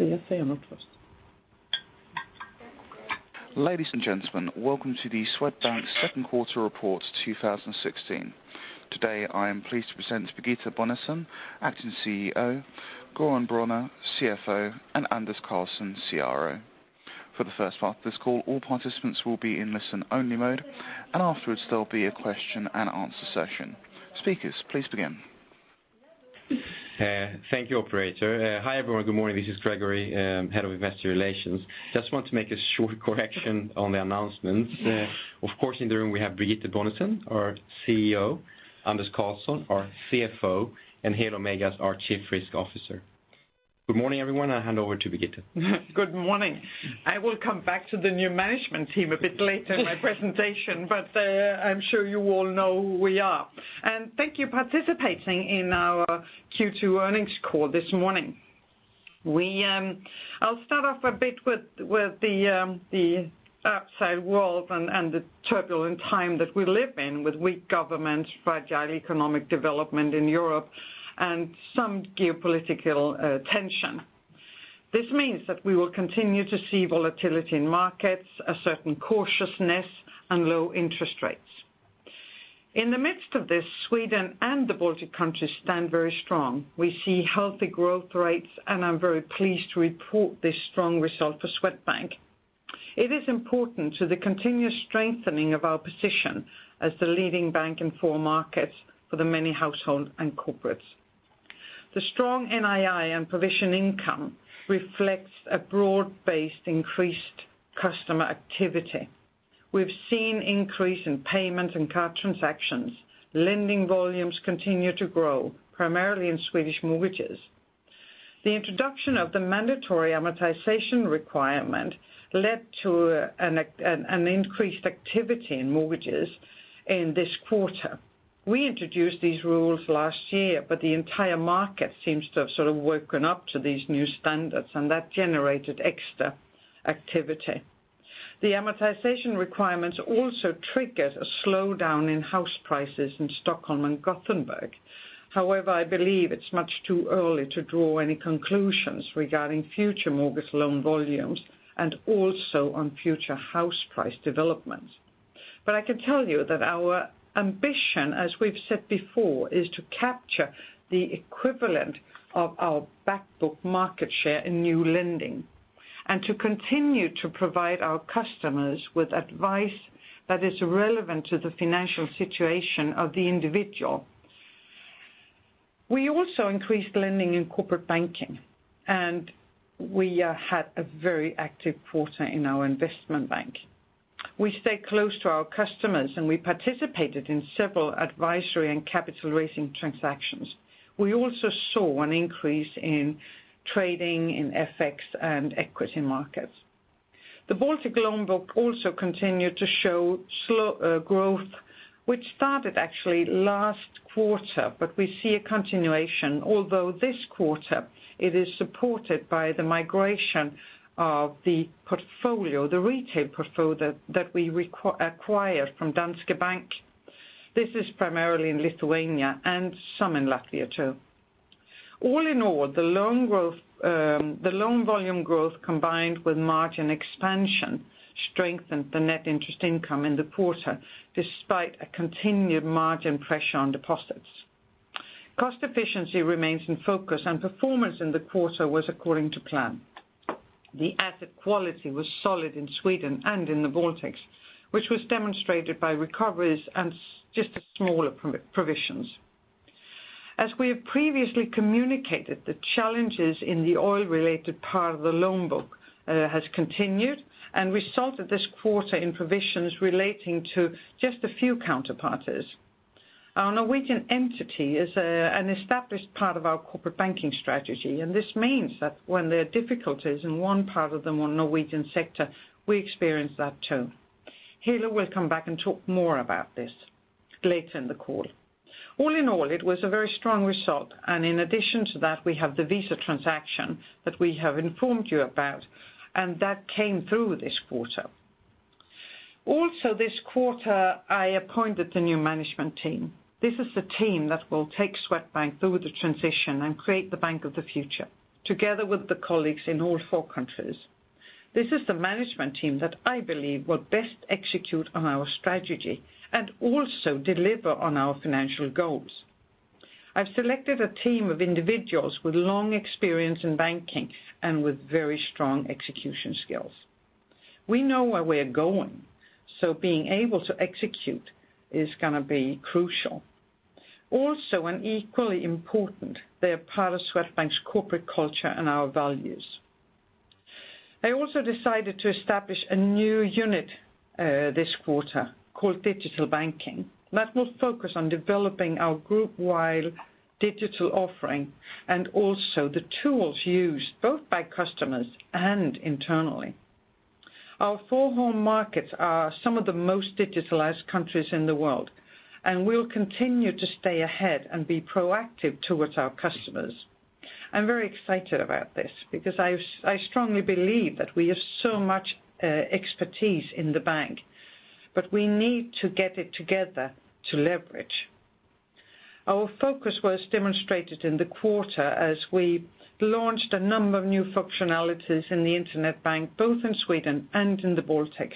Ladies and gentlemen, welcome to the Swedbank second quarter report 2016. Today, I am pleased to present Birgitte Bonnesen, Acting CEO, Göran Bronner, CFO, and Anders Karlsson, CRO. For the first part of this call, all participants will be in listen-only mode, and afterwards, there'll be a question and answer session. Speakers, please begin. Thank you, operator. Hi, everyone. Good morning, this is Gregori, Head of Investor Relations. Just want to make a short correction on the announcements. Of course, in the room, we have Birgitte Bonnesen, our CEO, Anders Karlsson, our CFO, and Helo Meigas, our Chief Risk Officer. Good morning, everyone, I'll hand over to Birgitte. Good morning. I will come back to the new management team a bit later in my presentation, but, I'm sure you all know who we are. Thank you participating in our Q2 earnings call this morning. We... I'll start off a bit with the upside world and the turbulent time that we live in, with weak governments, fragile economic development in Europe, and some geopolitical tension. This means that we will continue to see volatility in markets, a certain cautiousness, and low interest rates. In the midst of this, Sweden and the Baltic countries stand very strong. We see healthy growth rates, and I'm very pleased to report this strong result for Swedbank. It is important to the continuous strengthening of our position as the leading bank in four markets for the many households and corporates. The strong NII and provision income reflects a broad-based increased customer activity. We've seen increase in payments and card transactions. Lending volumes continue to grow, primarily in Swedish mortgages. The introduction of the mandatory amortization requirement led to an increased activity in mortgages in this quarter. We introduced these rules last year, but the entire market seems to have sort of woken up to these new standards, and that generated extra activity. The amortization requirements also triggered a slowdown in house prices in Stockholm and Gothenburg. However, I believe it's much too early to draw any conclusions regarding future mortgage loan volumes, and also on future house price developments. But I can tell you that our ambition, as we've said before, is to capture the equivalent of our back book market share in new lending, and to continue to provide our customers with advice that is relevant to the financial situation of the individual. We also increased lending in corporate Banking, and we had a very active quarter in our investment bank. We stay close to our customers, and we participated in several advisory and capital-raising transactions. We also saw an increase in trading in FX and equity markets. The Baltic loan book also continued to show slow growth, which started actually last quarter, but we see a continuation. Although this quarter it is supported by the migration of the portfolio, the retail portfolio that we acquired from Danske Bank. This is primarily in Lithuania and some in Latvia, too. All in all, the loan growth, the loan volume growth, combined with margin expansion, strengthened the net interest income in the quarter, despite a continued margin pressure on deposits. Cost efficiency remains in focus, and performance in the quarter was according to plan. The asset quality was solid in Sweden and in the Baltics, which was demonstrated by recoveries and just a smaller provisions. As we have previously communicated, the challenges in the oil-related part of the loan book, has continued and resulted this quarter in provisions relating to just a few counterparties. Our Norwegian entity is an established part of our corporate Banking strategy, and this means that when there are difficulties in one part of the more Norwegian sector, we experience that, too. Helo will come back and talk more about this later in the call. All in all, it was a very strong result, and in addition to that, we have the Visa transaction that we have informed you about, and that came through this quarter. Also, this quarter, I appointed the new management team. This is the team that will take Swedbank through the transition and create the bank of the future, together with the colleagues in all four countries. This is the management team that I believe will best execute on our strategy and also deliver on our financial goals. I've selected a team of individuals with long experience in Banking and with very strong execution skills. We know where we're going, so being able to execute is gonna be crucial. Also, and equally important, they are part of Swedbank's corporate culture and our values. I also decided to establish a new unit, this quarter, called Digital Banking, that will focus on developing our group-wide digital offering, and also the tools used both by customers and internally. Our four home markets are some of the most digitalized countries in the world, and we'll continue to stay ahead and be proactive towards our customers. I'm very excited about this, because I strongly believe that we have so much expertise in the bank, but we need to get it together to leverage. Our focus was demonstrated in the quarter as we launched a number of new functionalities in the internet bank, both in Sweden and in the Baltics.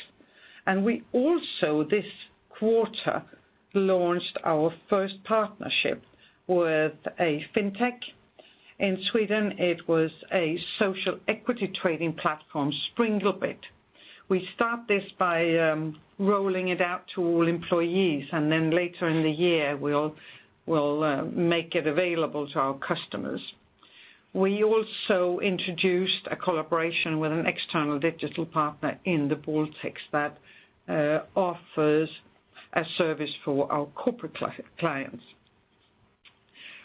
We also, this quarter, launched our first partnership with a fintech. In Sweden, it was a social equity trading platform, SprinkleBit. We start this by rolling it out to all employees, and then later in the year, we'll make it available to our customers. We also introduced a collaboration with an external digital partner in the Baltics that offers a service for our corporate clients.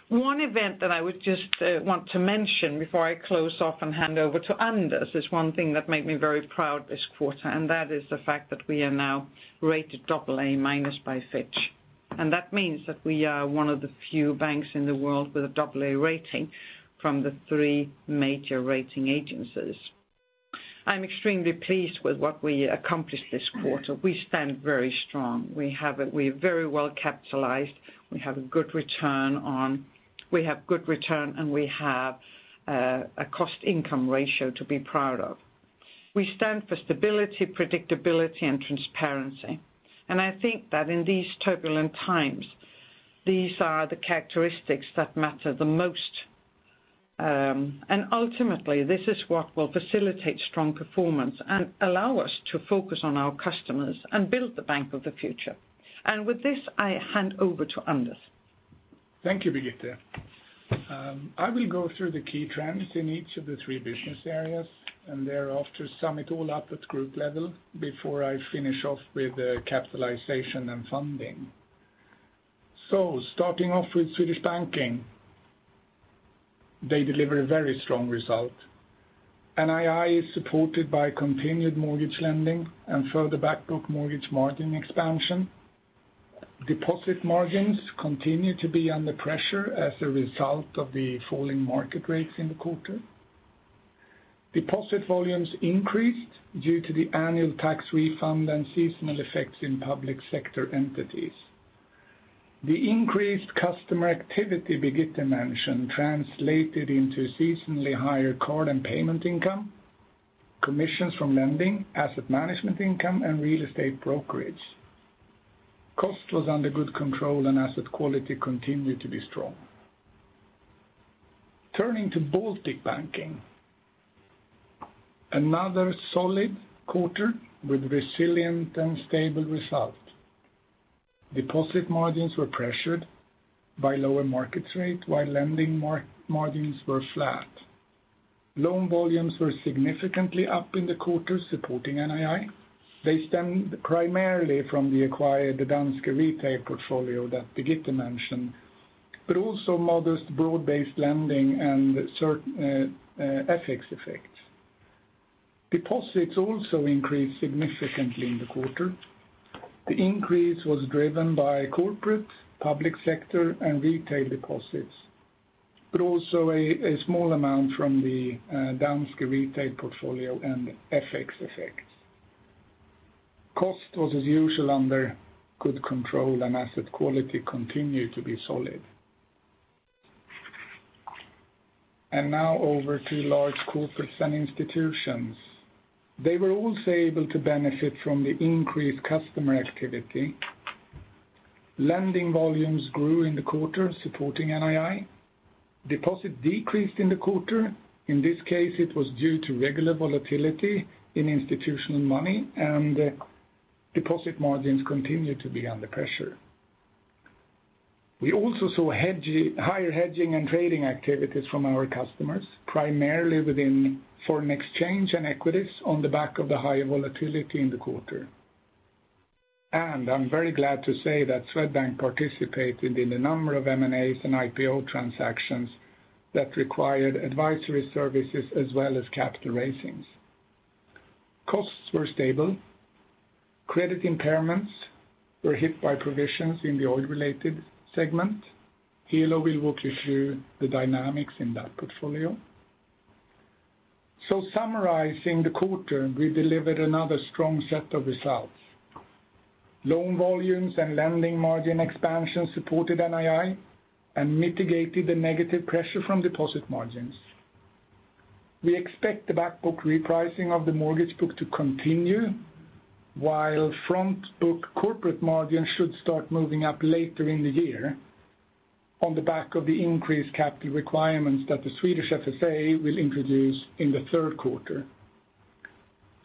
One event that I would just want to mention before I close off and hand over to Anders is one thing that made me very proud this quarter, and that is the fact that we are now rated double A minus by Fitch. That means that we are one of the few banks in the world with a double A rating from the three major rating agencies. I'm extremely pleased with what we accomplished this quarter. We stand very strong. We're very well capitalized, we have a good return, and we have a cost-income ratio to be proud of. We stand for stability, predictability, and transparency. I think that in these turbulent times, these are the characteristics that matter the most. Ultimately, this is what will facilitate strong performance and allow us to focus on our customers and build the bank of the future. With this, I hand over to Anders. Thank you, Birgitte. I will go through the key trends in each of the three business areas, and thereafter, sum it all up at group level before I finish off with, capitalization and funding. So starting off with Swedish Banking, they delivered a very strong result. NII is supported by continued mortgage lending and further backbook mortgage margin expansion. Deposit margins continue to be under pressure as a result of the falling market rates in the quarter. Deposit volumes increased due to the annual tax refund and seasonal effects in public sector entities. The increased customer activity Birgitte mentioned, translated into seasonally higher card and payment income, commissions from lending, asset management income, and real estate brokerage. Cost was under good control and asset quality continued to be strong. Turning to Baltic Banking, another solid quarter with resilient and stable result. Deposit margins were pressured by lower market rate, while lending margins were flat. Loan volumes were significantly up in the quarter, supporting NII. They stemmed primarily from the acquired Danske retail portfolio that Birgitte mentioned, but also modest broad-based lending and certain FX effects. Deposits also increased significantly in the quarter. The increase was driven by corporate, public sector, and retail deposits, but also a small amount from the Danske retail portfolio and FX effects. Cost was as usual under good control, and asset quality continued to be solid. Now over to Large Corporates and Institutions. They were also able to benefit from the increased customer activity. Lending volumes grew in the quarter, supporting NII. Deposits decreased in the quarter. In this case, it was due to regular volatility in institutional money, and deposit margins continued to be under pressure. We also saw higher hedging and trading activities from our customers, primarily within foreign exchange and equities, on the back of the higher volatility in the quarter. And I'm very glad to say that Swedbank participated in a number of M&As and IPO transactions that required advisory services as well as capital raisings. Costs were stable, credit impairments were hit by provisions in the oil-related segment. Helo will walk you through the dynamics in that portfolio. So summarizing the quarter, we delivered another strong set of results. Loan volumes and lending margin expansion supported NII and mitigated the negative pressure from deposit margins. We expect the back book repricing of the mortgage book to continue, while front book corporate margins should start moving up later in the year on the back of the increased capital requirements that the Swedish FSA will introduce in the third quarter.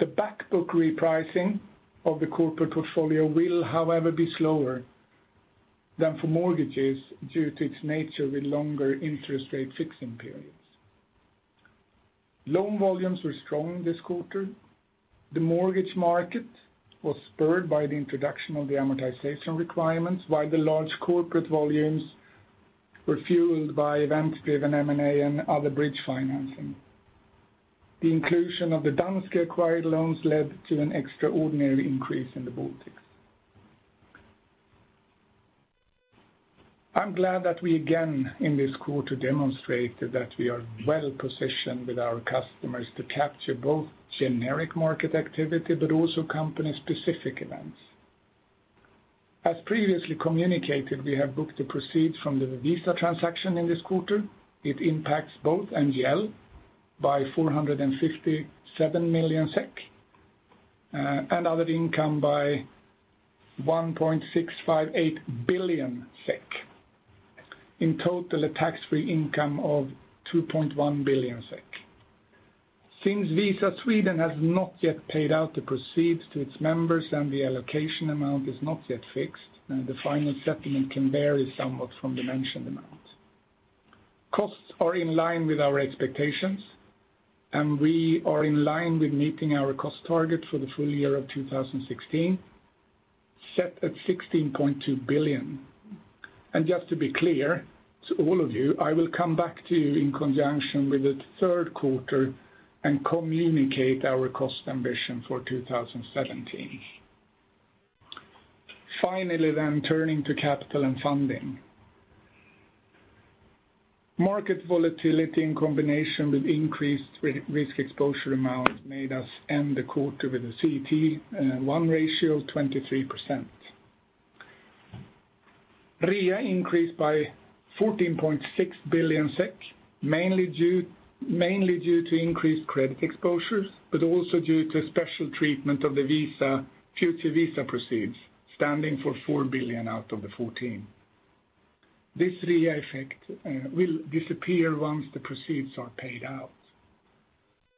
The backbook repricing of the corporate portfolio will, however, be slower than for mortgages due to its nature with longer interest rate fixing periods. Loan volumes were strong this quarter. The mortgage market was spurred by the introduction of the amortization requirements, while the large corporate volumes were fueled by event-driven M&A and other bridge financing. The inclusion of the Danske acquired loans led to an extraordinary increase in the Baltics. I'm glad that we again, in this quarter, demonstrated that we are well positioned with our customers to capture both generic market activity but also company-specific events. As previously communicated, we have booked the proceeds from the Visa transaction in this quarter. It impacts both NGL by 457 million SEK and other income by 1.658 billion SEK. In total, a tax-free income of 2.1 billion SEK. Since Visa Sweden has not yet paid out the proceeds to its members and the allocation amount is not yet fixed, then the final settlement can vary somewhat from the mentioned amount. Costs are in line with our expectations, and we are in line with meeting our cost target for the full year of 2016, set at 16.2 billion. And just to be clear to all of you, I will come back to you in conjunction with the third quarter and communicate our cost ambition for 2017. Finally, then turning to capital and funding. Market volatility in combination with increased Risk Exposure Amount made us end the quarter with a CET1 ratio of 23%. REA increased by 14.6 billion SEK, mainly due, mainly due to increased credit exposures, but also due to special treatment of the Visa, future Visa proceeds, standing for 4 billion out of the 14. This REA effect will disappear once the proceeds are paid out.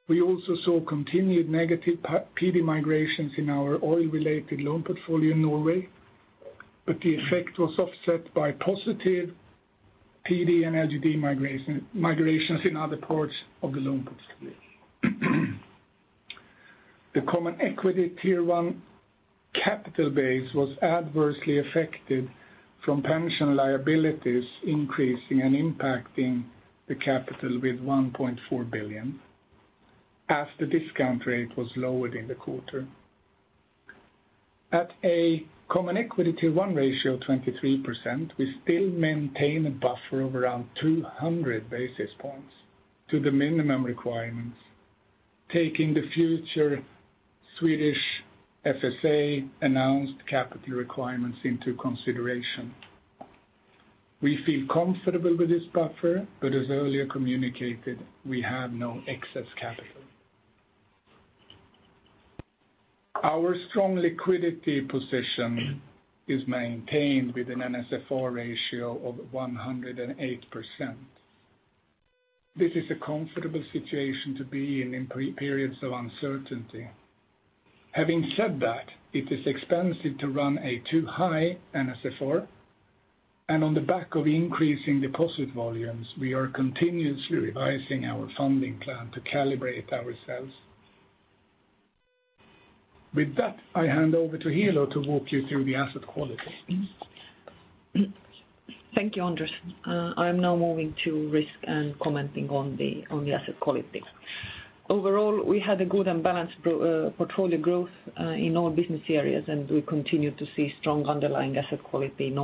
We also saw continued negative PD migrations in our oil-related loan portfolio in Norway, but the effect was offset by positive PD and LGD migrations in other parts of the loan portfolio. The Common Equity Tier 1 capital base was adversely affected from pension liabilities increasing and impacting the capital with 1.4 billion as the discount rate was lowered in the quarter. At a Common Equity Tier 1 ratio of 23%, we still maintain a buffer of around 200 basis points to the minimum requirements, taking the future Swedish FSA announced capital requirements into consideration. We feel comfortable with this buffer, but as earlier communicated, we have no excess capital. Our strong liquidity position is maintained with an NSFR ratio of 108%. This is a comfortable situation to be in, in pre-periods of uncertainty. Having said that, it is expensive to run a too high NSFR, and on the back of increasing deposit volumes, we are continuously revising our funding plan to calibrate ourselves. With that, I hand over to Helo to walk you through the asset quality. Thank you, Anders. I am now moving to risk and commenting on the asset quality. Overall, we had a good and balanced portfolio growth in all business areas, and we continue to see strong underlying asset quality in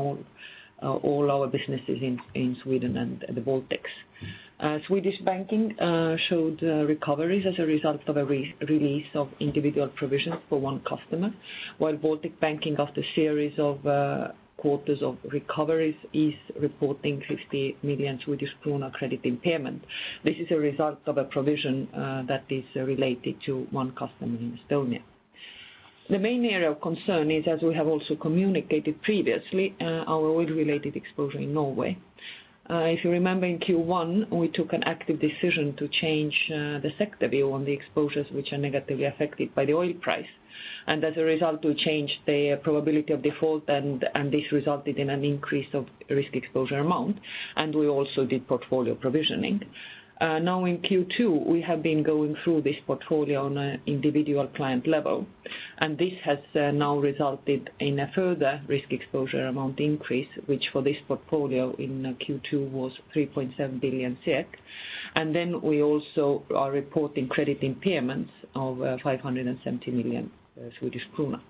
all our businesses in Sweden and the Baltics. Swedish Banking showed recoveries as a result of a release of individual provisions for one customer, while Baltic Banking, after series of quarters of recoveries, is reporting 50 million Swedish kronor credit impairment. This is a result of a provision that is related to one customer in Estonia. The main area of concern is, as we have also communicated previously, our oil-related exposure in Norway. If you remember, in Q1, we took an active decision to change the sector view on the exposures which are negatively affected by the oil price. And as a result, we changed the probability of default, and this resulted in an increase of Risk Exposure Amount, and we also did portfolio provisioning. Now in Q2, we have been going through this portfolio on a individual client level, and this has now resulted in a further Risk Exposure Amount increase, which for this portfolio in Q2 was 3.7 billion SEK. And then we also are reporting credit impairments of 570 million Swedish kronor.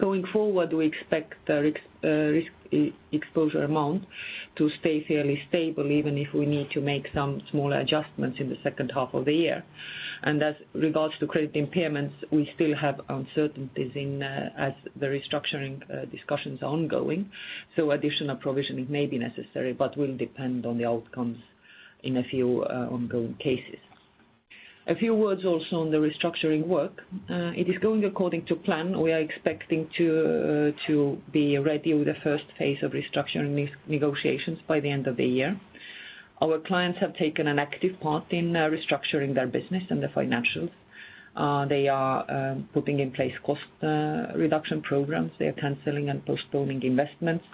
Going forward, we expect the Risk Exposure Amount to stay fairly stable, even if we need to make some smaller adjustments in the second half of the year. As regards to credit impairments, we still have uncertainties, as the restructuring discussions are ongoing, so additional provisioning may be necessary, but will depend on the outcomes in a few ongoing cases. A few words also on the restructuring work. It is going according to plan. We are expecting to be ready with the first phase of restructuring these negotiations by the end of the year. Our clients have taken an active part in restructuring their business and their financials. They are putting in place cost reduction programs. They are canceling and postponing investments.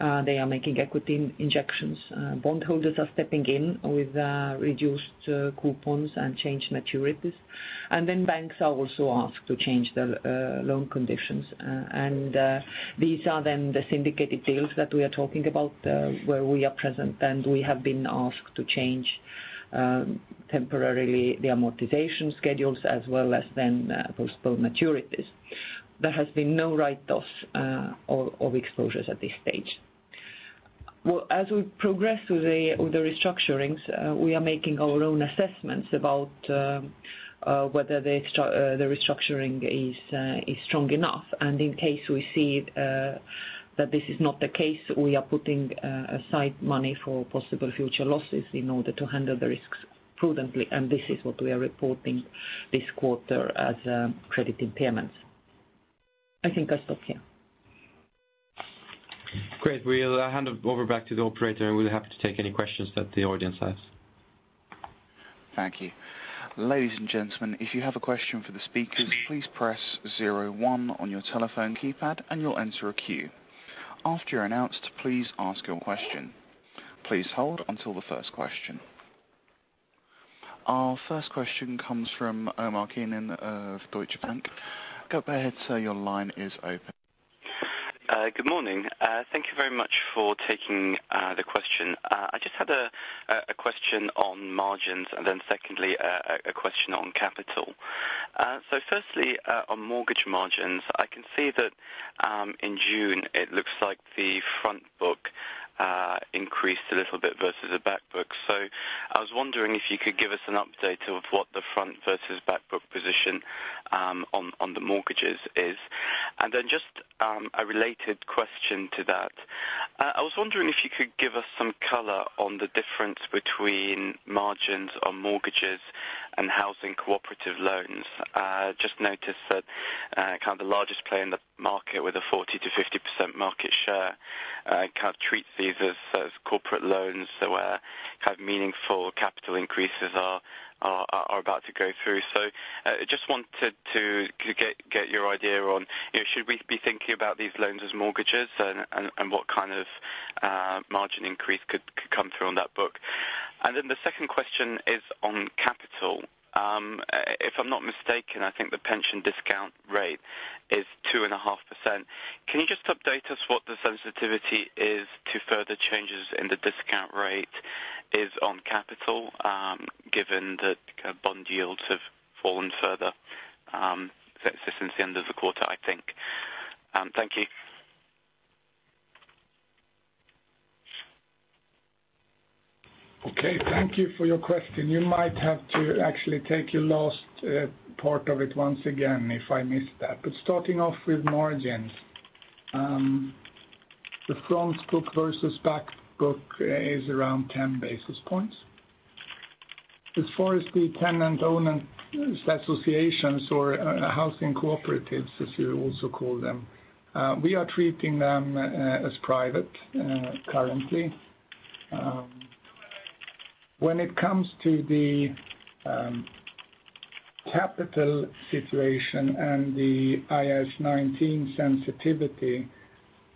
They are making equity injections. Bondholders are stepping in with reduced coupons and changed maturities. Then banks are also asked to change their loan conditions. And these are then the syndicated deals that we are talking about, where we are present, and we have been asked to change temporarily the amortization schedules as well as then postpone maturities. There has been no write-offs or exposures at this stage. Well, as we progress with the restructurings, we are making our own assessments about whether the restructuring is strong enough. And in case we see that this is not the case, we are putting aside money for possible future losses in order to handle the risks prudently, and this is what we are reporting this quarter as credit impairments. I think I'll stop here. Great. We'll hand it over back to the operator, and we'll be happy to take any questions that the audience has. Thank you. Ladies and gentlemen, if you have a question for the speakers, please press zero one on your telephone keypad, and you'll enter a queue. After you're announced, please ask your question. Please hold until the first question. Our first question comes from Omar Keenan of Deutsche Bank. Go ahead, sir. Your line is open. Good morning. Thank you very much for taking the question. I just had a question on margins, and then secondly, a question on capital. So firstly, on mortgage margins, I can see that in June, it looks like the front book increased a little bit versus the back book. So I was wondering if you could give us an update of what the front versus back book position on the mortgages is. And then just a related question to that. I was wondering if you could give us some color on the difference between margins on mortgages and housing cooperative loans. Just noticed that kind of the largest player in the market with a 40%-50% market share kind of treats these as corporate loans, where kind of meaningful capital increases are about to go through. So, just wanted to get your idea on, you know, should we be thinking about these loans as mortgages, and what kind of margin increase could come through on that book? And then the second question is on capital. If I'm not mistaken, I think the pension discount rate is 2.5%. Can you just update us what the sensitivity is to further changes in the discount rate is on capital, given that bond yields have fallen further since the end of the quarter, I think? Thank you. Okay, thank you for your question. You might have to actually take your last part of it once again if I missed that. But starting off with margins, the front book versus back book is around 10 basis points. As far as the tenant owner associations or housing cooperatives, as you also call them, we are treating them as private currently. When it comes to the capital situation and the IFRS 9 sensitivity,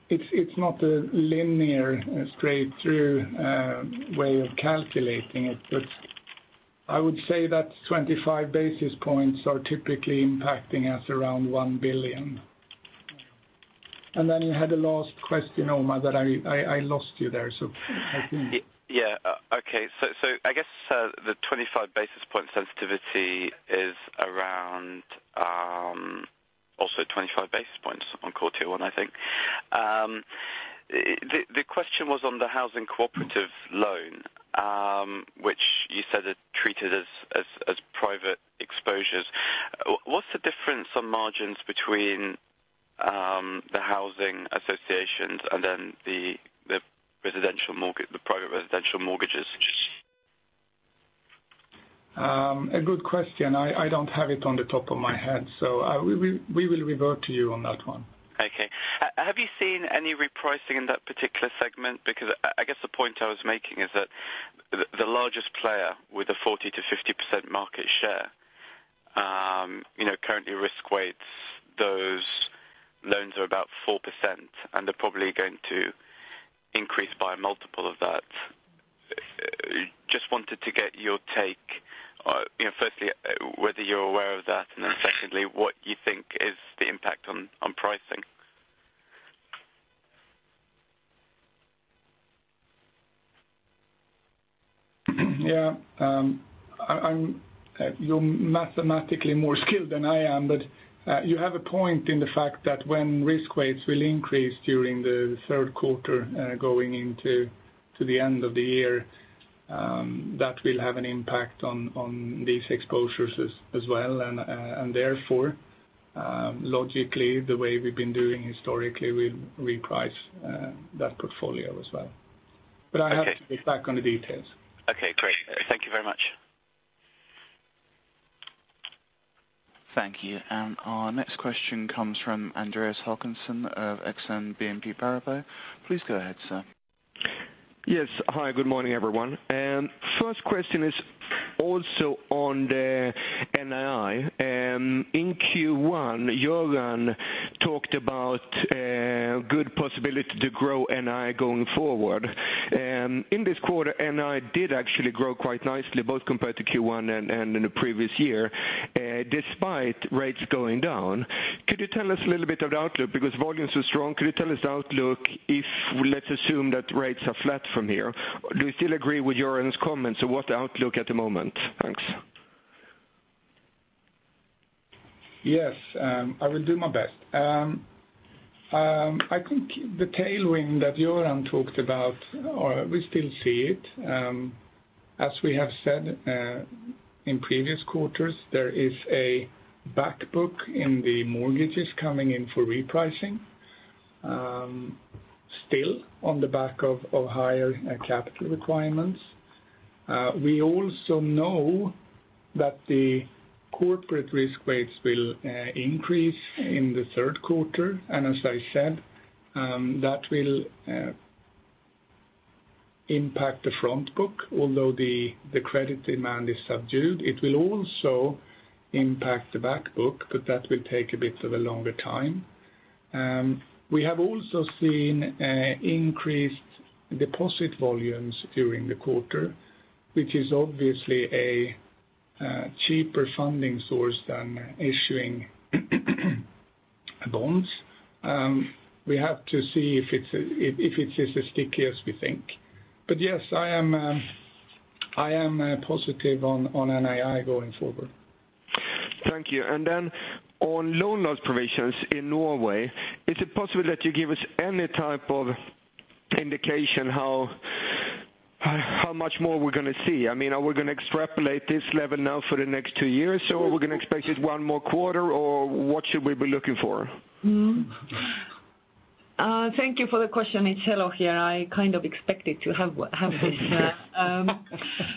it's not a linear, straight-through way of calculating it, but I would say that 25 basis points are typically impacting us around 1 billion. And then you had a last question, Omar, that I lost you there, so I think- Yeah. Okay. So, I guess, the 25 basis point sensitivity is around, also 25 basis points on quarter one, I think. The question was on the housing cooperative loan, which you said is treated as private exposures. What's the difference on margins between the housing associations and then the residential mortgage, the private residential mortgages? A good question. I don't have it on the top of my head, so we will revert to you on that one. Okay. Have you seen any repricing in that particular segment? Because I guess the point I was making is that the largest player with a 40-50% market share, you know, currently risk weights, those loans are about 4%, and they're probably going to increase by a multiple of that. Just wanted to get your take, you know, firstly, whether you're aware of that, and then secondly, what you think is the impact on pricing. Yeah. I'm... You're mathematically more skilled than I am, but you have a point in the fact that when risk weights will increase during the third quarter, going into, to the end of the year, that will have an impact on, on these exposures as, as well. And, and therefore, logically, the way we've been doing historically, we'll reprice, that portfolio as well. Okay. But I have to get back on the details. Okay, great. Thank you very much. Thank you. And our next question comes from Andreas Håkansson of Exane BNP Paribas. Please go ahead, sir. Yes. Hi, good morning, everyone. First question is also on the NII. In Q1, Goran talked about, good possibility to grow NII going forward. In this quarter, NII did actually grow quite nicely, both compared to Q1 and, and in the previous year, despite rates going down. Could you tell us a little bit of the outlook? Because volumes are strong, could you tell us the outlook if, let's assume that rates are flat from here, do you still agree with Goran's comments? So what's the outlook at the moment? Thanks. Yes, I will do my best. I think the tailwind that Goran talked about, we still see it. As we have said, in previous quarters, there is a back book in the mortgages coming in for repricing. Still on the back of higher capital requirements. We also know that the corporate risk rates will increase in the third quarter, and as I said, that will impact the front book, although the credit demand is subdued. It will also impact the back book, but that will take a bit of a longer time. We have also seen increased deposit volumes during the quarter, which is obviously a cheaper funding source than issuing bonds. We have to see if it is as sticky as we think. But yes, I am positive on NII going forward. Thank you. And then on loan loss provisions in Norway, is it possible that you give us any type of indication how much more we're gonna see? I mean, are we gonna extrapolate this level now for the next two years, or are we gonna expect just one more quarter, or what should we be looking for? Thank you for the question. It's Helo here. I kind of expected to have this.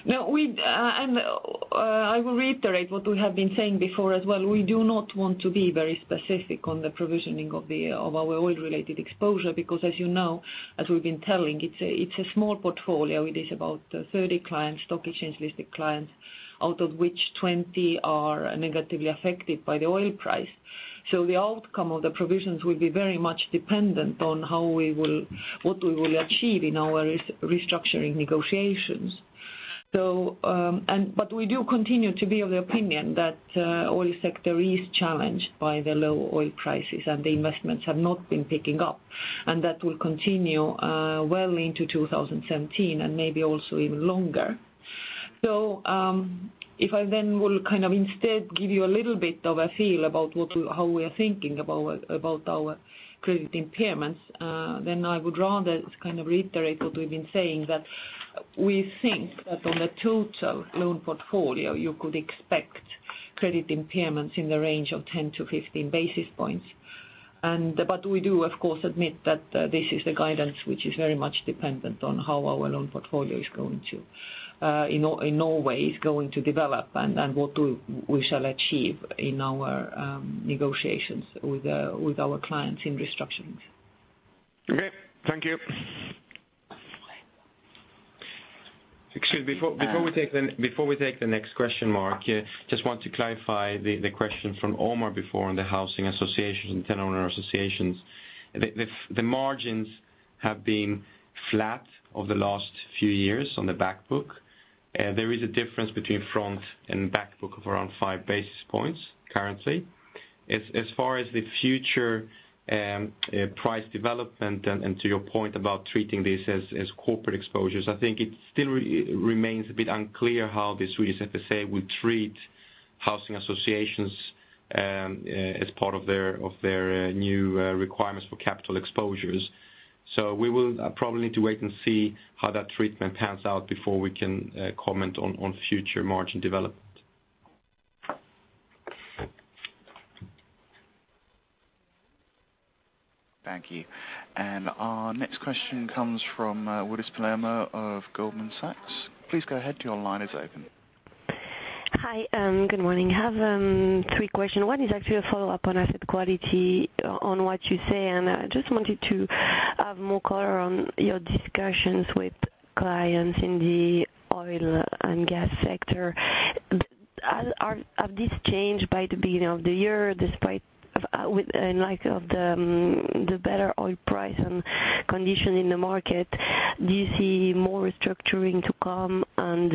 No, we... I will reiterate what we have been saying before as well. We do not want to be very specific on the provisioning of our oil-related exposure, because as you know, as we've been telling, it's a small portfolio. It is about 30 clients, stock exchange-listed clients, out of which 20 are negatively affected by the oil price. So the outcome of the provisions will be very much dependent on how we will, what we will achieve in our restructuring negotiations. So, and but we do continue to be of the opinion that oil sector is challenged by the low oil prices, and the investments have not been picking up, and that will continue well into 2017, and maybe also even longer. So, if I then will kind of instead give you a little bit of a feel about what we, how we are thinking about our credit impairments, then I would rather just kind of reiterate what we've been saying, that we think that on the total loan portfolio, you could expect credit impairments in the range of 10-15 basis points. But we do, of course, admit that this is a guidance which is very much dependent on how our loan portfolio is going to develop in Norway, and what we shall achieve in our negotiations with our clients in restructurings. Okay. Thank you. Excuse me, before we take the next question, Mark, just want to clarify the question from Omar before on the housing associations and tenant owner associations. The margins have been flat over the last few years on the back book. There is a difference between front and back book of around five basis points currently. As far as the future price development, and to your point about treating this as corporate exposures, I think it still remains a bit unclear how the Swedish FSA will treat housing associations as part of their new requirements for capital exposures. So we will probably need to wait and see how that treatment pans out before we can comment on future margin development. Thank you. And our next question comes from, Willis Palermo of Goldman Sachs. Please go ahead. Your line is open. Hi, good morning. I have three questions. One is actually a follow-up on asset quality, on what you say, and I just wanted to have more color on your discussions with clients in the oil and gas sector. But has this changed by the beginning of the year, despite of with, in light of the better oil price and condition in the market, do you see more restructuring to come? And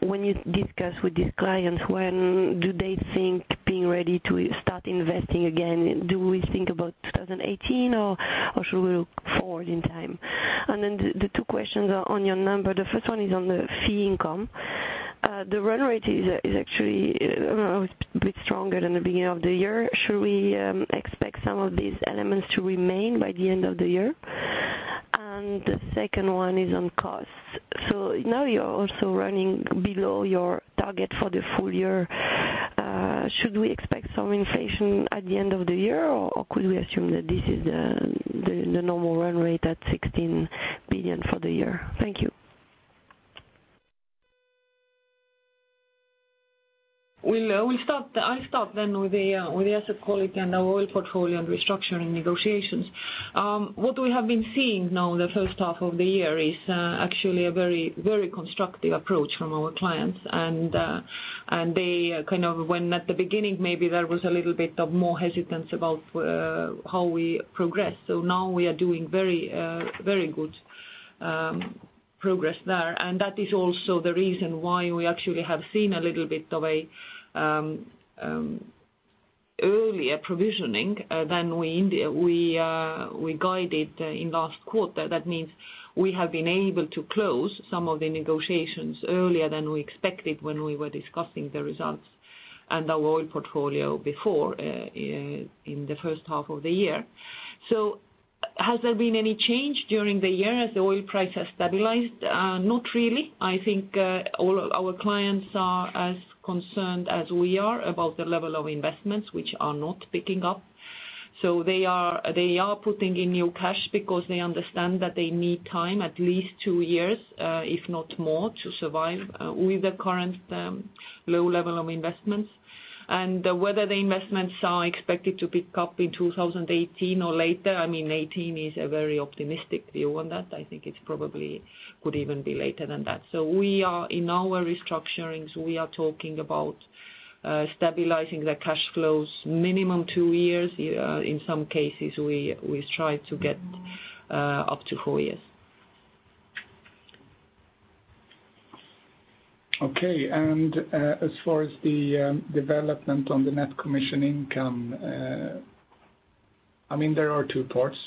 when you discuss with these clients, when do they think being ready to start investing again? Do we think about 2018, or should we look forward in time? And then the two questions are on your number. The first one is on the fee income. The run rate is actually a bit stronger than the beginning of the year. Should we expect some of these elements to remain by the end of the year? And the second one is on costs. So now you're also running below your target for the full year. Should we expect some inflation at the end of the year, or could we assume that this is the normal run rate at 16 billion for the year? Thank you. We'll start. I'll start then with the asset quality and our oil portfolio and restructuring negotiations. What we have been seeing now, the first half of the year, is actually a very, very constructive approach from our clients. And and they kind of when at the beginning, maybe there was a little bit of more hesitance about how we progress. So now we are doing very, very good progress there. And that is also the reason why we actually have seen a little bit of a earlier provisioning than we guided in last quarter. That means we have been able to close some of the negotiations earlier than we expected when we were discussing the results and our oil portfolio before, in the first half of the year. So, has there been any change during the year as the oil price has stabilized? Not really. I think, all our clients are as concerned as we are about the level of investments which are not picking up. So they are, they are putting in new cash because they understand that they need time, at least two years, if not more, to survive, with the current, low level of investments. And whether the investments are expected to pick up in 2018 or later, I mean, 2018 is a very optimistic view on that. I think it's probably could even be later than that. So we are, in our restructurings, we are talking about, stabilizing the cash flows minimum two years. In some cases, we, we try to get, up to four years. Okay. And, as far as the development on the net commission income, I mean, there are two parts.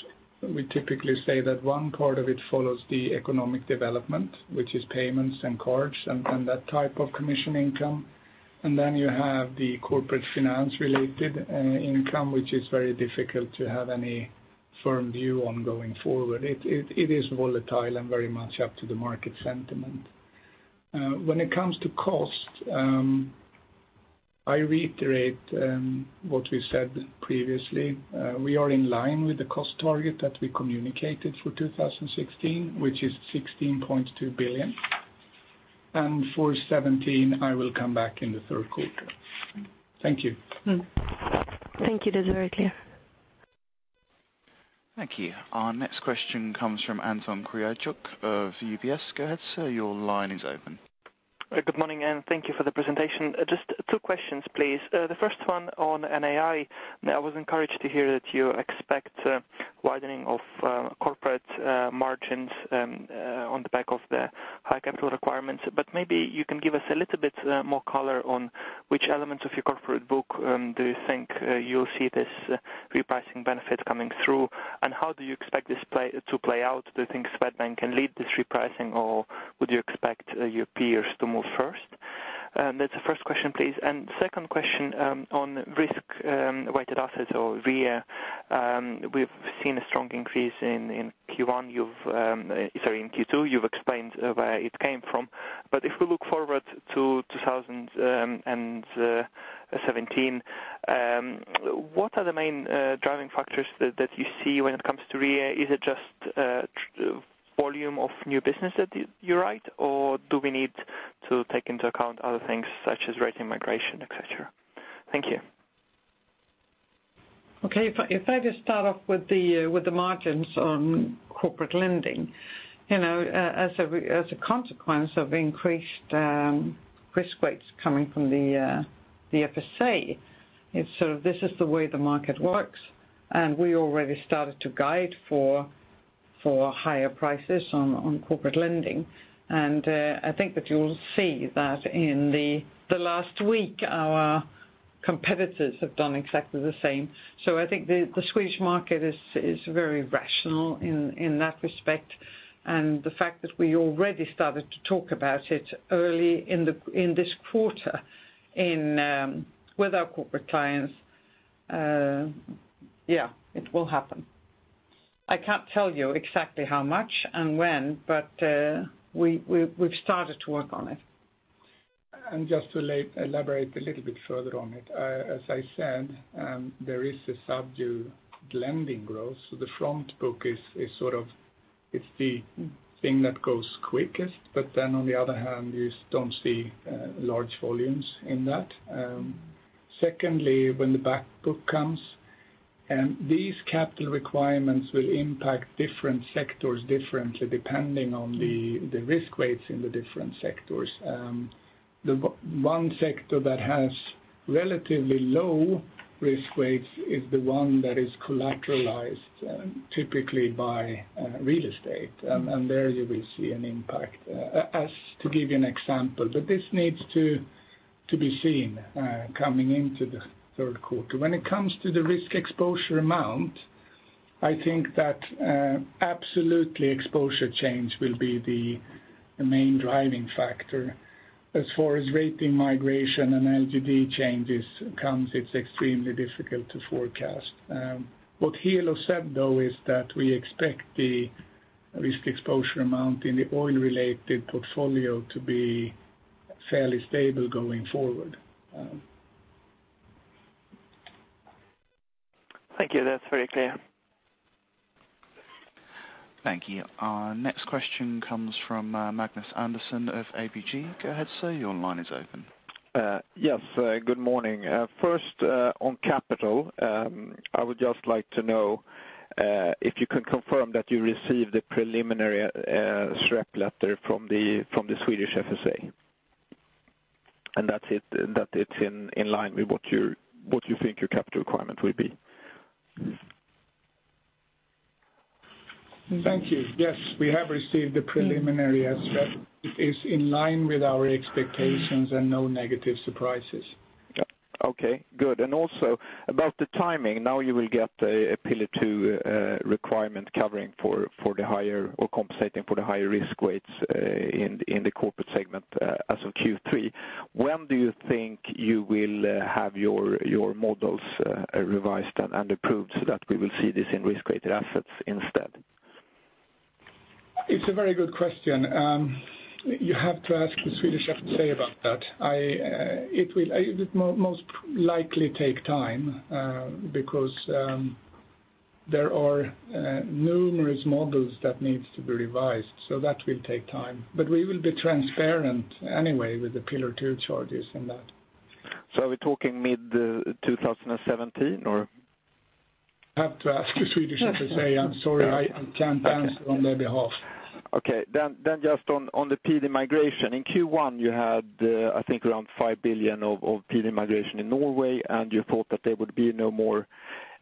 We typically say that one part of it follows the economic development, which is payments and cards and, and that type of commission income. And then you have the corporate finance-related income, which is very difficult to have any firm view on going forward. It, it, it is volatile and very much up to the market sentiment. When it comes to cost, I reiterate what we said previously. We are in line with the cost target that we communicated for 2016, which is 16.2 billion. And for 2017, I will come back in the third quarter. Thank you. Mm-hmm. Thank you. That's very clear. Thank you. Our next question comes from Anton Kryachok of UBS. Go ahead, sir, your line is open. Good morning, and thank you for the presentation. Just two questions, please. The first one on NII. I was encouraged to hear that you expect widening of corporate margins on the back of the high capital requirements. But maybe you can give us a little bit more color on which elements of your corporate book do you think you'll see this repricing benefit coming through? And how do you expect this to play out? Do you think Swedbank can lead this repricing, or would you expect your peers to move first? That's the first question, please. And second question on risk weighted assets or RWA. We've seen a strong increase in Q1. You've, sorry, in Q2, you've explained where it came from. If we look forward to 2017, what are the main driving factors that you see when it comes to RWA? Is it just volume of new business that you write, or do we need to take into account other things such as rating migration, et cetera? Thank you. Okay. If I just start off with the margins on corporate lending, you know, as a consequence of increased risk weights coming from the FSA, it's sort of this is the way the market works, and we already started to guide for higher prices on corporate lending. And I think that you'll see that in the last week, our competitors have done exactly the same. So I think the Swedish market is very rational in that respect, and the fact that we already started to talk about it early in this quarter with our corporate clients, yeah, it will happen. I can't tell you exactly how much and when, but we've started to work on it. Just to elaborate a little bit further on it, as I said, there is a subdued lending growth, so the front book is, is sort of, it's the thing that grows quickest, but then on the other hand, you don't see large volumes in that. Secondly, when the back book comes, and these capital requirements will impact different sectors differently depending on the, the risk weights in the different sectors. The one sector that has relatively low risk weights is the one that is collateralized, typically by real estate, and there you will see an impact, as to give you an example. But this needs to, to be seen, coming into the third quarter. When it comes to the Risk Exposure Amount, I think that absolutely exposure change will be the, the main driving factor. As far as rating migration and LGD changes comes, it's extremely difficult to forecast. What Helo said, though, is that we expect the Risk Exposure Amount in the oil-related portfolio to be fairly stable going forward. Thank you. That's very clear. Thank you. Our next question comes from Magnus Andersson of ABG. Go ahead, sir, your line is open. Yes, good morning. First, on capital, I would just like to know if you can confirm that you received the preliminary SREP letter from the Swedish FSA. That's it, that it's in line with what you think your capital requirement will be? Thank you. Yes, we have received the preliminary SREP. It is in line with our expectations and no negative surprises. Yep. Okay, good. And also, about the timing, now you will get a Pillar 2 requirement covering for the higher or compensating for the higher risk weights in the corporate segment as of Q3. When do you think you will have your models revised and approved so that we will see this in risk-weighted assets instead?... It's a very good question. You have to ask the Swedish FSA about that. It will most likely take time, because there are numerous models that need to be revised, so that will take time. But we will be transparent anyway with the Pillar II charges in that. Are we talking mid-2017, or? You have to ask the Swedish FSA. I'm sorry, I can't answer on their behalf. Okay, then, then just on, on the PD migration. In Q1, you had, I think around 5 billion of, of PD migration in Norway, and you thought that there would be no more,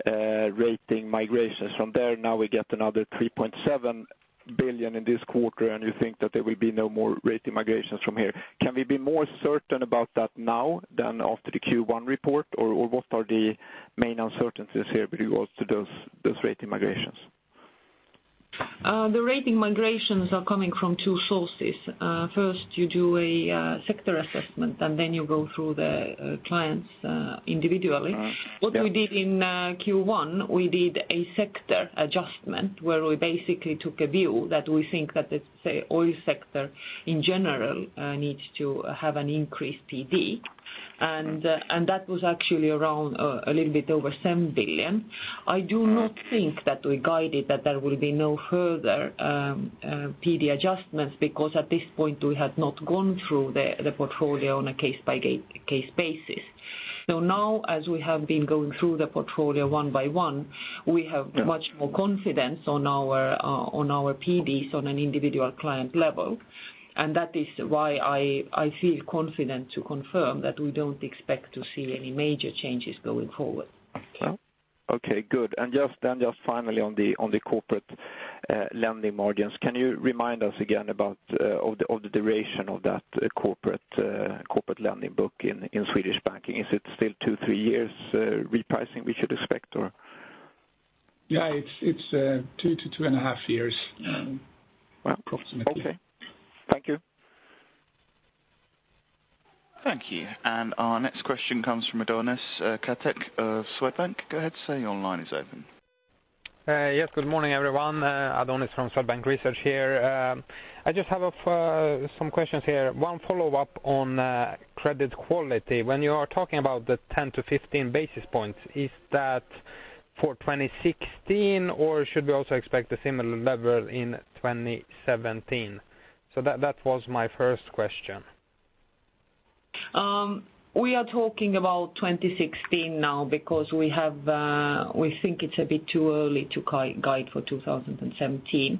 rating migrations from there. Now we get another 3.7 billion in this quarter, and you think that there will be no more rating migrations from here. Can we be more certain about that now than after the Q1 report, or, or what are the main uncertainties here with regards to those, those rating migrations? The rating migrations are coming from two sources. First, you do a sector assessment, and then you go through the clients individually. Uh, yeah. What we did in Q1, we did a sector adjustment, where we basically took a view that we think that the, say, oil sector in general needs to have an increased PD. And, and that was actually around a little bit over 7 billion. I do not think that we guided that there will be no further PD adjustments, because at this point, we had not gone through the portfolio on a case-by-case basis. So now, as we have been going through the portfolio one by one, we have- Yeah much more confidence on our, on our PDs on an individual client level. And that is why I feel confident to confirm that we don't expect to see any major changes going forward. Okay, good. And just finally on the corporate lending margins, can you remind us again about the duration of that corporate lending book in Swedish Banking? Is it still 2-3 years repricing we should expect or? Yeah, it's 2-2.5 years, approximately. Okay. Thank you. Thank you. And our next question comes from Adonis Katakis of Swedbank. Go ahead, sir, your line is open. Yes, good morning, everyone. Adonis from Swedbank Research here. I just have a few, some questions here. One follow-up on, credit quality. When you are talking about the 10-15 basis points, is that for 2016 or should we also expect a similar level in 2017? So that, that was my first question. We are talking about 2016 now because we have, we think it's a bit too early to guide for 2017.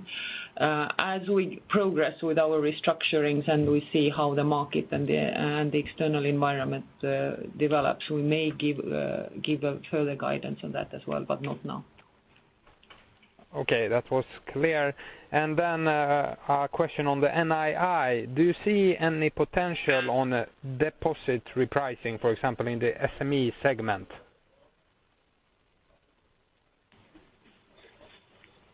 As we progress with our restructurings and we see how the market and the external environment develops, we may give a further guidance on that as well, but not now. Okay, that was clear. Then, a question on the NII. Do you see any potential on deposit repricing, for example, in the SME segment?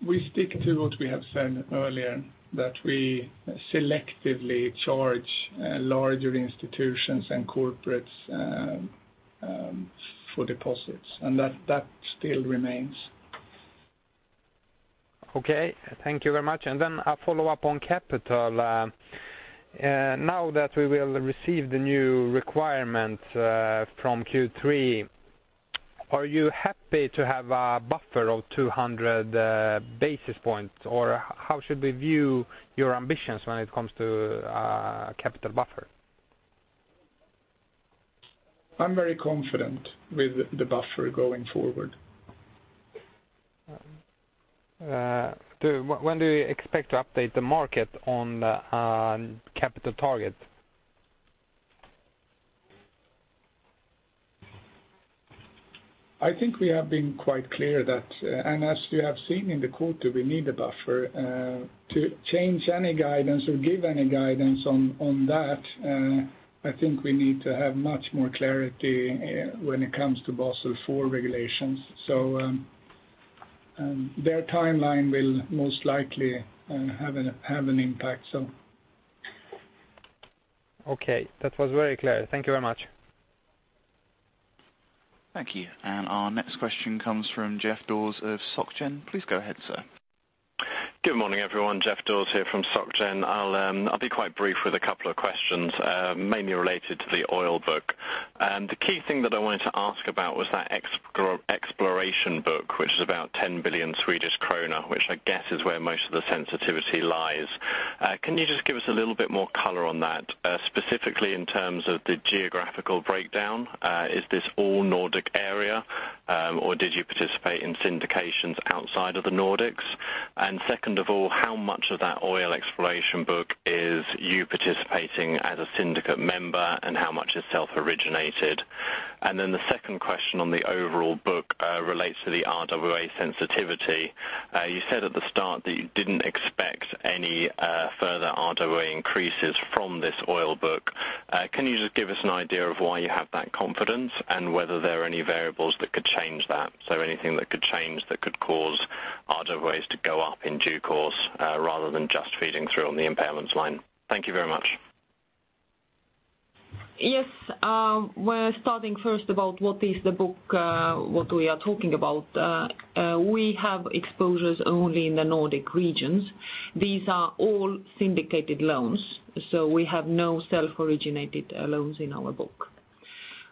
We stick to what we have said earlier, that we selectively charge larger institutions and corporates for deposits, and that still remains. Okay, thank you very much. And then a follow-up on capital. Now that we will receive the new requirement from Q3, are you happy to have a buffer of 200 basis points, or how should we view your ambitions when it comes to capital buffer? I'm very confident with the buffer going forward. When do you expect to update the market on capital target? I think we have been quite clear that, and as you have seen in the quarter, we need a buffer. To change any guidance or give any guidance on that, I think we need to have much more clarity, when it comes to Basel IV regulations. So, their timeline will most likely have an impact, so. Okay. That was very clear. Thank you very much. Thank you. Our next question comes from Geoff Sheridan of Soc Gen. Please go ahead, sir. Good morning, everyone. Geoff Sheridan here from Soc Gen. I'll, I'll be quite brief with a couple of questions, mainly related to the oil book. And the key thing that I wanted to ask about was that exploration book, which is about 10 billion Swedish krona, which I guess is where most of the sensitivity lies. Can you just give us a little bit more color on that, specifically in terms of the geographical breakdown? Is this all Nordic area, or did you participate in syndications outside of the Nordics? And second of all, how much of that oil exploration book is you participating as a syndicate member, and how much is self-originated? And then the second question on the overall book, relates to the RWA sensitivity. You said at the start that you didn't expect any further RWA increases from this oil book. Can you just give us an idea of why you have that confidence, and whether there are any variables that could change that? So anything that could change, that could cause RWAs to go up in due course, rather than just feeding through on the impairments line. Thank you very much. Yes, we're starting first about what is the book, what we are talking about. We have exposures only in the Nordic regions. These are all syndicated loans, so we have no self-originated loans in our book.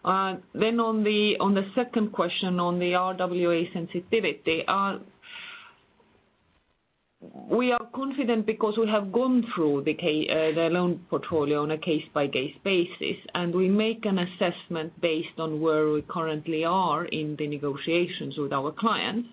Then on the second question, on the RWA sensitivity, our, we are confident because we have gone through the loan portfolio on a case-by-case basis, and we make an assessment based on where we currently are in the negotiations with our clients.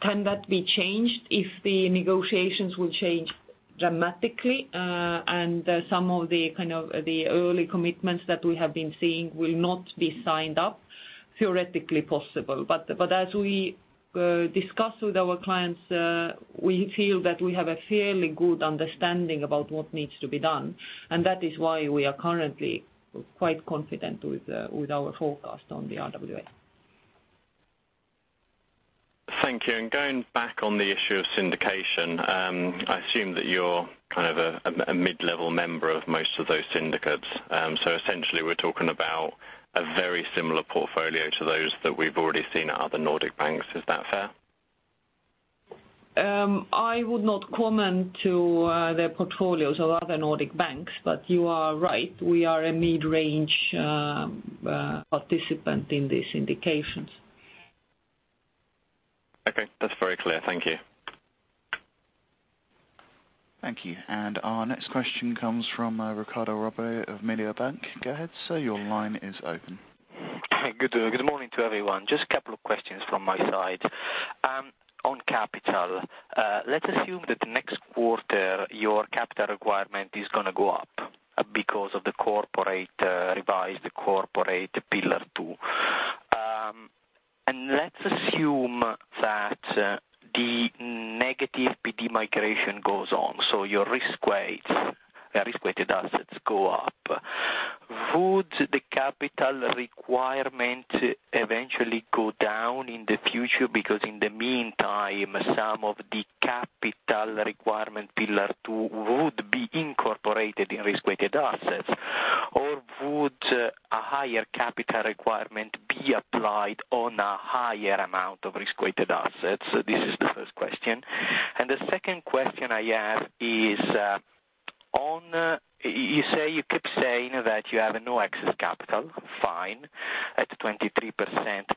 Can that be changed if the negotiations will change dramatically, and some of the kind of the early commitments that we have been seeing will not be signed up? Theoretically possible, but as we discuss with our clients, we feel that we have a fairly good understanding about what needs to be done, and that is why we are currently quite confident with our forecast on the RWA. Thank you, and going back on the issue of syndication, I assume that you're kind of a, a mid-level member of most of those syndicates. So essentially, we're talking about a very similar portfolio to those that we've already seen at other Nordic banks. Is that fair? I would not comment to the portfolios of other Nordic banks, but you are right, we are a mid-range participant in these syndications. Okay, that's very clear. Thank you. Thank you. And our next question comes from Riccardo Rovere of Mediobanca. Go ahead, sir, your line is open. Hi, good, good morning to everyone. Just a couple of questions from my side. On capital, let's assume that next quarter, your capital requirement is gonna go up because of the corporate, revised corporate Pillar II. And let's assume that, the negative PD migration goes on, so your risk weights, your risk-weighted assets go up. Would the capital requirement eventually go down in the future? Because in the meantime, some of the capital requirement Pillar II would be incorporated in risk-weighted assets. Or would a higher capital requirement be applied on a higher amount of risk-weighted assets? This is the first question. And the second question I ask is, on, you say, you keep saying that you have no excess capital, fine, at 23%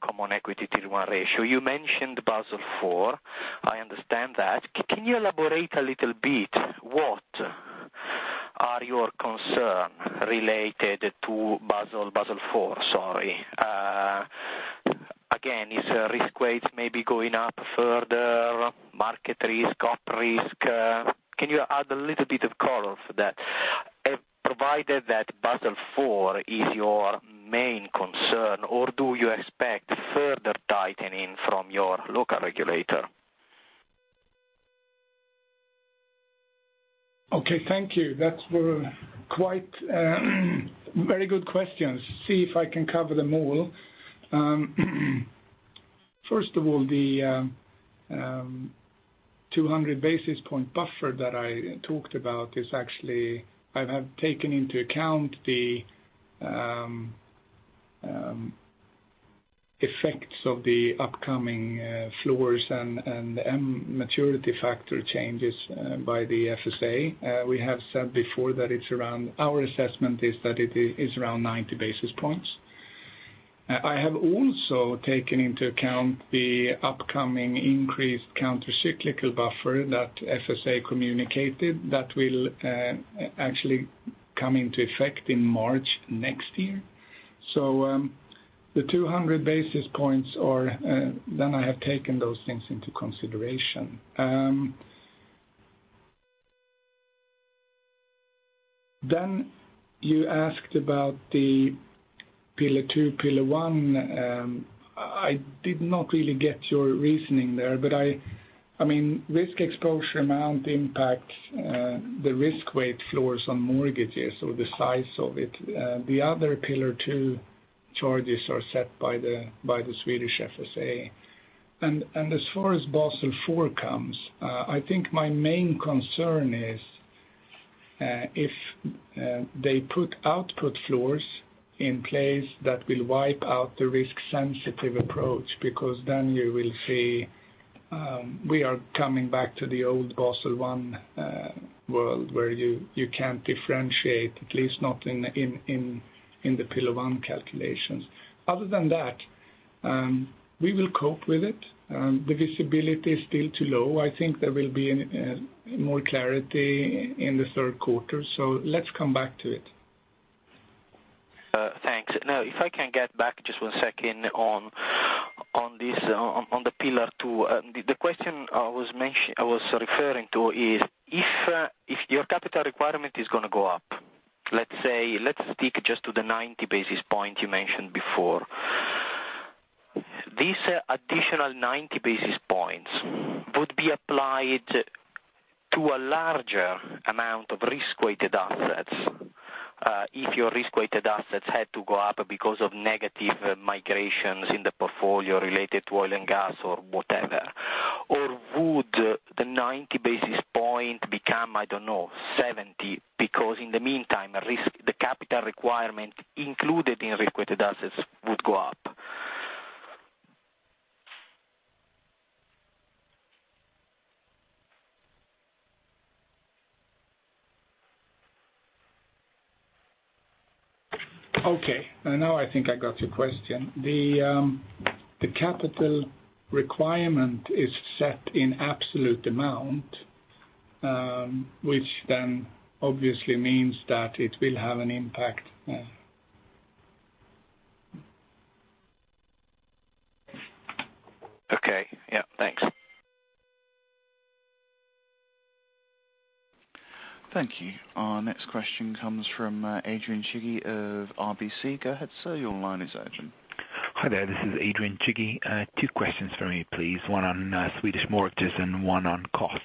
Common Equity Tier 1 ratio. You mentioned Basel IV. I understand that. Can you elaborate a little bit, what are your concern related to Basel, Basel IV, sorry? Again, is risk weights maybe going up further, market risk, op risk? Can you add a little bit of color for that, provided that Basel IV is your main concern, or do you expect further tightening from your local regulator? Okay, thank you. That's, we're quite very good questions. See if I can cover them all. First of all, the 200 basis point buffer that I talked about is actually. I have taken into account the effects of the upcoming floors and maturity factor changes by the FSA. We have said before that it's around. Our assessment is that it is around 90 basis points. I have also taken into account the upcoming increased countercyclical buffer that FSA communicated, that will actually come into effect in March next year. So, the 200 basis points are. Then I have taken those things into consideration. Then you asked about the Pillar II, Pillar I. I did not really get your reasoning there, but I, I mean, Risk Exposure Amount impacts, the risk weight floors on mortgages or the size of it. The other Pillar II charges are set by the, by the Swedish FSA. As far as Basel IV comes, I think my main concern is, if, they put output floors in place, that will wipe out the risk-sensitive approach, because then you will see, we are coming back to the old Basel I, world, where you, you can't differentiate, at least not in, in, in, in the Pillar I calculations. Other than that, we will cope with it. The visibility is still too low. I think there will be an, more clarity in the third quarter, so let's come back to it. Thanks. Now, if I can get back just one second on this, the Pillar II. The question I was referring to is, if your capital requirement is gonna go up, let's say, let's stick just to the 90 basis point you mentioned before. These additional 90 basis points would be applied to a larger amount of risk-weighted assets, if your risk-weighted assets had to go up because of negative migrations in the portfolio related to oil and gas or whatever.... or would the 90 basis point become, I don't know, 70? Because in the meantime, the risk, the capital requirement included in risk-weighted assets would go up. Okay, now I think I got your question. The capital requirement is set in absolute amount, which then obviously means that it will have an impact. Okay. Yeah, thanks. Thank you. Our next question comes from Adrian Cighi of RBC. Go ahead, sir, your line is open. Hi there, this is Adrian Cighi. Two questions for me, please. One on Swedish mortgages and one on costs.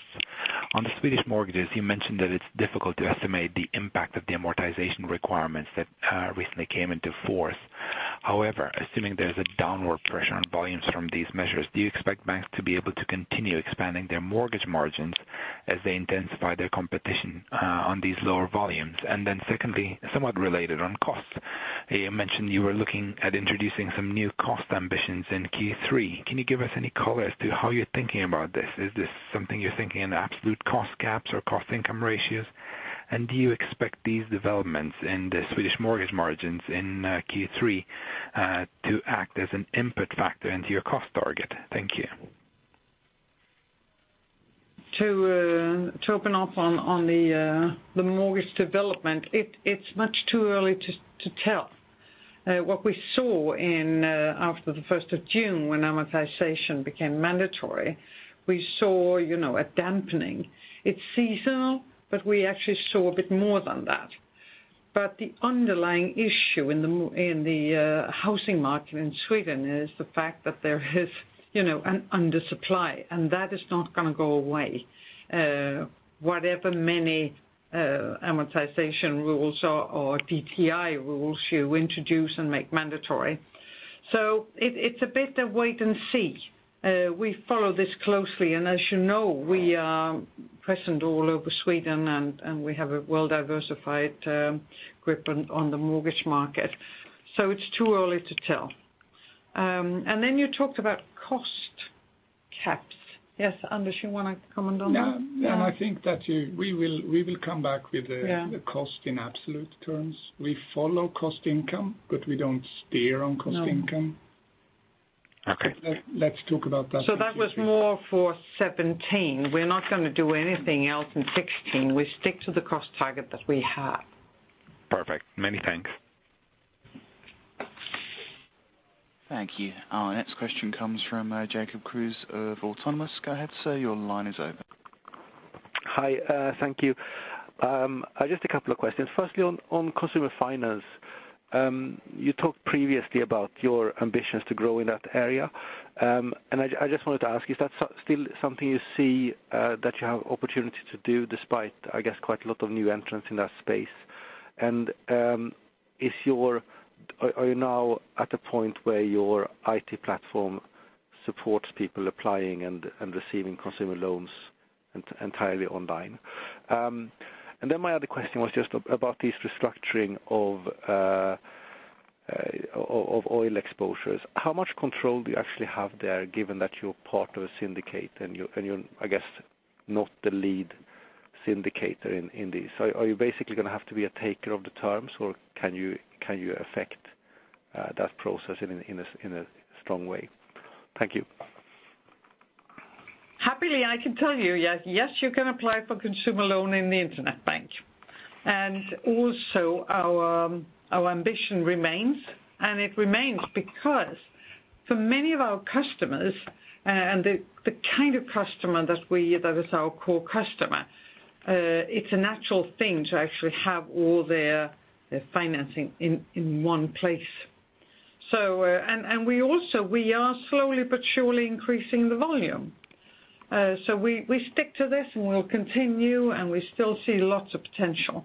On the Swedish mortgages, you mentioned that it's difficult to estimate the impact of the amortization requirements that recently came into force. However, assuming there's a downward pressure on volumes from these measures, do you expect banks to be able to continue expanding their mortgage margins as they intensify their competition on these lower volumes? And then secondly, somewhat related on costs, you mentioned you were looking at introducing some new cost ambitions in Q3. Can you give us any color as to how you're thinking about this? Is this something you're thinking in absolute cost caps or cost-income ratios? And do you expect these developments in the Swedish mortgage margins in Q3 to act as an input factor into your cost target? Thank you. To open up on the mortgage development, it's much too early to tell. What we saw in after the first of June, when amortization became mandatory, we saw, you know, a dampening. It's seasonal, but we actually saw a bit more than that. But the underlying issue in the housing market in Sweden is the fact that there is, you know, an undersupply, and that is not gonna go away. Whatever many amortization rules or DTI rules you introduce and make mandatory. So it's a bit of wait and see. We follow this closely, and as you know, we are present all over Sweden, and we have a well-diversified grip on the mortgage market. So it's too early to tell. And then you talked about cost caps. Yes, Anders, you wanna comment on that? Yeah. Yeah. I think that we will come back with the- Yeah... the cost in absolute terms. We follow cost-income, but we don't steer on cost-income. Okay. Let's talk about that- That was more for 2017. We're not gonna do anything else in 2016. We stick to the cost target that we have. Perfect. Many thanks. Thank you. Our next question comes from Jacob Kruse of Autonomous. Go ahead, sir, your line is open. Hi, thank you. Just a couple of questions. Firstly, on consumer finance, you talked previously about your ambitions to grow in that area. And I just wanted to ask, is that still something you see that you have opportunity to do, despite, I guess, quite a lot of new entrants in that space? And, is your... Are you now at a point where your IT platform supports people applying and receiving consumer loans entirely online? And then my other question was just about this restructuring of oil exposures. How much control do you actually have there, given that you're part of a syndicate and you're, I guess, not the lead syndicator in this? Are you basically gonna have to be a taker of the terms, or can you affect that process in a strong way? Thank you. Happily, I can tell you, yes, yes, you can apply for consumer loan in the internet bank. And also, our ambition remains, and it remains because for many of our customers, and the kind of customer that we, that is our core customer, it's a natural thing to actually have all their financing in one place. So, and we also, we are slowly but surely increasing the volume. So we stick to this, and we'll continue, and we still see lots of potential.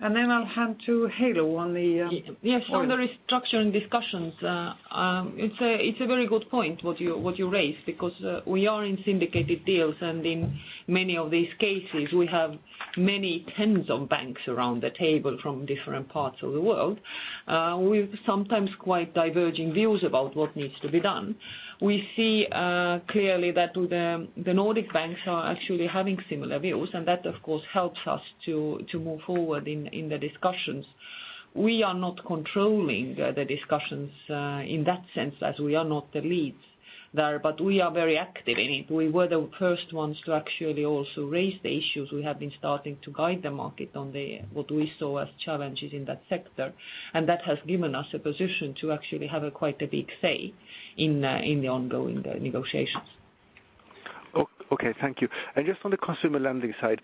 And then I'll hand to Helo on the, yeah. Yes, on the restructuring discussions, it's a, it's a very good point, what you, what you raised, because, we are in syndicated deals, and in many of these cases, we have many tens of banks around the table from different parts of the world, with sometimes quite diverging views about what needs to be done. We see clearly that the Nordic banks are actually having similar views, and that, of course, helps us to move forward in the discussions. We are not controlling the discussions, in that sense, as we are not the leads there, but we are very active in it. We were the first ones to actually also raise the issues. We have been starting to guide the market on the, what we saw as challenges in that sector, and that has given us a position to actually have a quite a big say in the ongoing negotiations. Okay. Thank you. And just on the consumer lending side,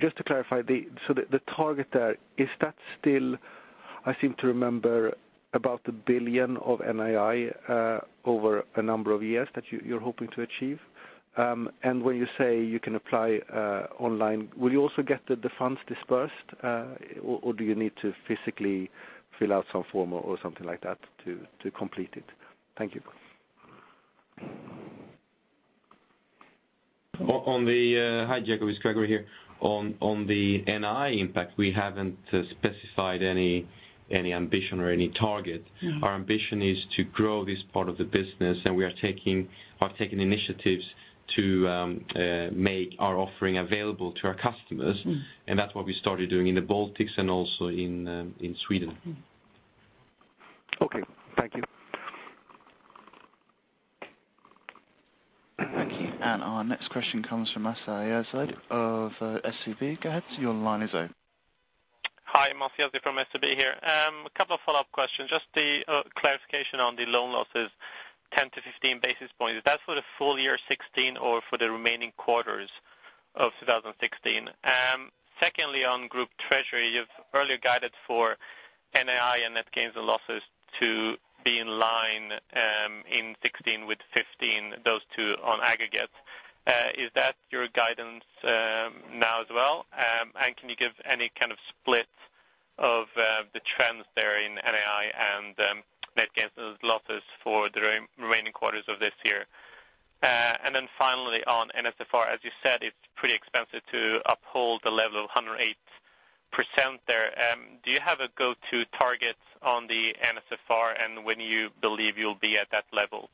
just to clarify, the target there, is that still, I seem to remember, about 1 billion of NII over a number of years that you, you're hoping to achieve? And when you say you can apply online, will you also get the funds disbursed, or do you need to physically fill out some form or something like that to complete it? Thank you.... Hi, Jacob, it's Gregori here. On the NII impact, we haven't specified any ambition or any target. Mm-hmm. Our ambition is to grow this part of the business, and we are taking or have taken initiatives to make our offering available to our customers. Mm. That's what we started doing in the Baltics and also in Sweden. Mm. Okay, thank you. Thank you. And our next question comes from Masih Yazdi of SEB. Go ahead, your line is open. Hi, I'm Masih Yazdi from SEB here. A couple of follow-up questions. Just the clarification on the loan losses, 10-15 basis points. Is that for the full year 2016 or for the remaining quarters of 2016? Secondly, on group treasury, you've earlier guided for NII and net gains and losses to be in line in 2016 with 2015, those two on aggregate. Is that your guidance now as well? And can you give any kind of split of the trends there in NII and net gains and losses for the remaining quarters of this year? And then finally, on NSFR, as you said, it's pretty expensive to uphold the level of 108% there. Do you have a go-to target on the NSFR, and when do you believe you'll be at that level?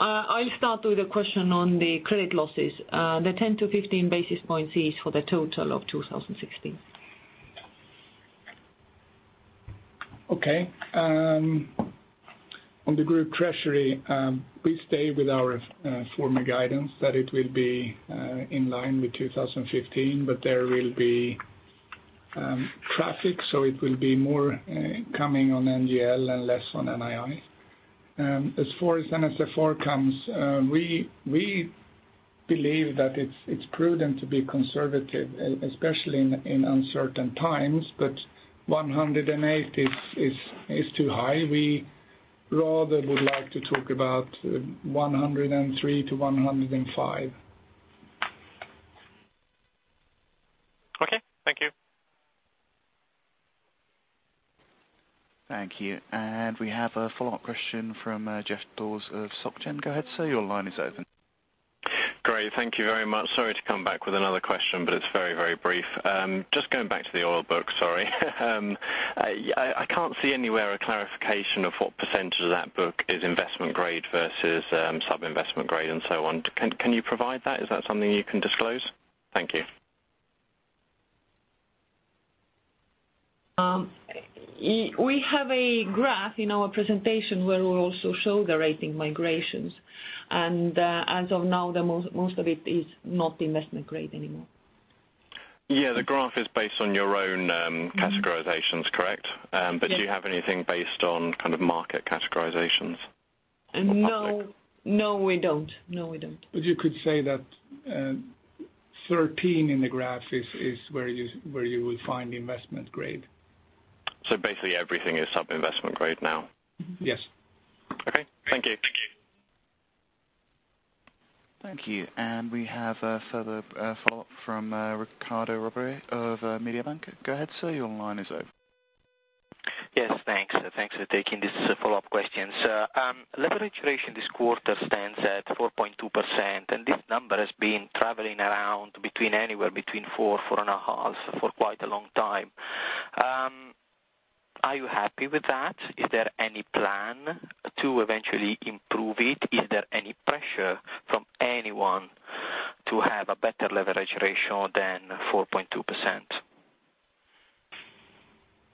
I'll start with the question on the credit losses. The 10-15 basis points is for the total of 2016. Okay. On the group treasury, we stay with our former guidance that it will be in line with 2015, but there will be traffic, so it will be more coming on NGL and less on NII. As far as NSFR comes, we believe that it's prudent to be conservative, especially in uncertain times, but 108% is too high. We rather would like to talk about 103%-105%. Okay, thank you. Thank you. And we have a follow-up question from Goeff Sheridan of Société Générale. Go ahead, sir, your line is open. Great, thank you very much. Sorry to come back with another question, but it's very, very brief. Just going back to the oil book, sorry. I can't see anywhere a clarification of what percentage of that book is investment grade versus sub-investment grade and so on. Can you provide that? Is that something you can disclose? Thank you. We have a graph in our presentation where we also show the rating migrations, and as of now, the most of it is not investment grade anymore. Yeah, the graph is based on your own, categorizations, correct? Yes. Do you have anything based on kind of market categorizations? Uh, no. Or public? No, we don't. No, we don't. But you could say that 13 in the graph is where you will find the investment grade. Basically, everything is sub-investment grade now? Yes. Okay, thank you. Thank you. Thank you. And we have a further follow-up from Riccardo Rovere of Mediobanca. Go ahead, sir, your line is open. Yes, thanks. Thanks for taking this follow-up questions. Leverage ratio this quarter stands at 4.2%, and this number has been traveling around anywhere between 4-4.5% for quite a long time. Are you happy with that? Is there any plan to eventually improve it? Is there any pressure from anyone to have a better leverage ratio than 4.2%?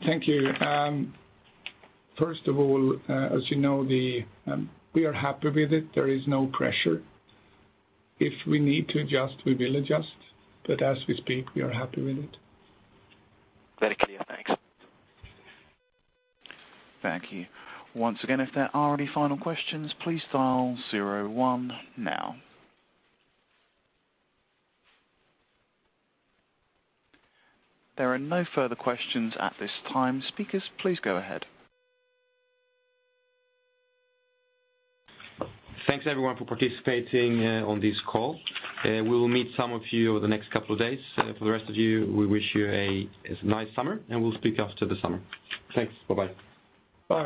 Thank you. First of all, as you know, we are happy with it. There is no pressure. If we need to adjust, we will adjust, but as we speak, we are happy with it. Very clear. Thanks. Thank you. Once again, if there are any final questions, please dial zero one now. There are no further questions at this time. Speakers, please go ahead. Thanks, everyone, for participating on this call. We will meet some of you over the next couple of days. For the rest of you, we wish you a nice summer, and we'll speak after the summer. Thanks. Bye-bye. Bye.